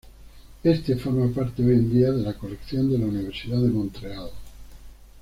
Éste forma parte, hoy en día, de la colección de la Universidad de Montreal.